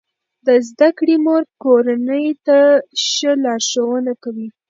د زده کړې مور کورنۍ ته ښه لارښوونه کوي.